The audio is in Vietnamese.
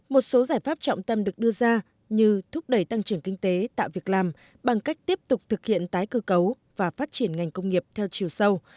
một số giải pháp trọng tâm được đưa ra như thúc đẩy tăng trưởng kinh tế tạo việc làm bằng cách tiếp tục thực hiện tái cơ cấu và phát triển ngành công nghiệp theo chiều sâu